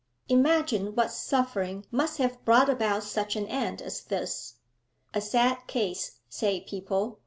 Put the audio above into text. Imagine what suffering must have brought about such an end as this. A sad case, say people.